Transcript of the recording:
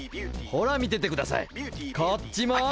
ほら見ててくださいこっちも。